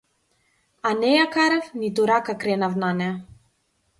А не ја карав ниту рака кренав на неа.